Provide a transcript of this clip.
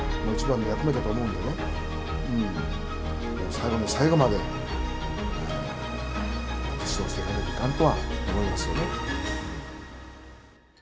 最後の最後まで指導していかないといかんとは思いますよね。